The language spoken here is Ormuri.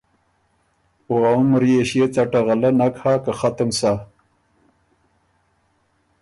او ا عمر يې ݭيې څټه غلۀ نک هۀ که ختُم سۀ